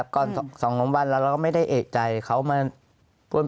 บอกไปไหน